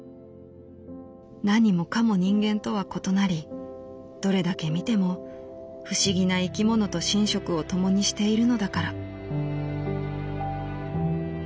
なにもかも人間とは異なりどれだけ見ても不思議な生き物と寝食を共にしているのだから」。